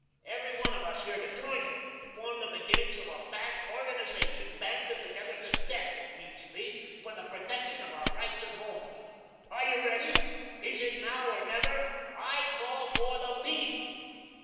Every one of us here to join it, to form the beginnings of a vast organisation, banded together to death, if needs be, for the protection of our rights and homes. Are you ready? Is it now or never? I call for the League."